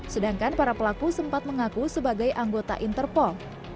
sedangkan para pelaku sempat mengaku sebagai anggota interpol